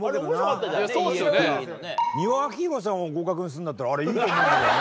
美輪明宏さんを合格にするんだったらあれいいと思うんだけどね。